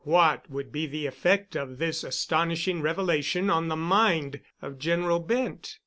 What would be the effect of this astonishing revelation on the mind of General Bent?